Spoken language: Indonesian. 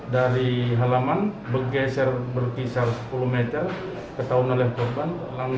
dari halaman bergeser berkisar sepuluh meter ketahunan oleh korban